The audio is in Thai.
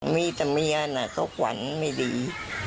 มีแต่เมียน่ะเขาขวัญไม่ดี